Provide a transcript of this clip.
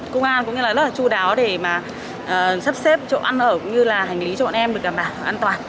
công an cũng rất là chú đáo để mà sắp xếp chỗ ăn ở cũng như là hành lý cho bọn em được cảm bảo an toàn